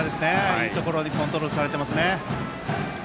いいところにコントロールされていますね。